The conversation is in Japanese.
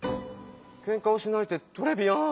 「ケンカをしない」ってトレビアー